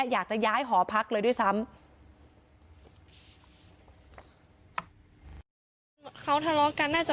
อยากจะย้ายหอพักเลยด้วยซ้ำ